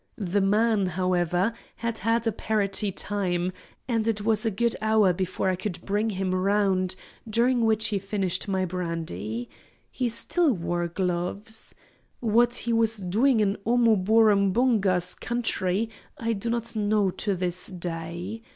The man, however, had had a parroty time, and it was a good hour before I could bring him round, during which he finished my brandy. He still wore gloves. What he was doing in Omuborumbunga's country I do not know to this day.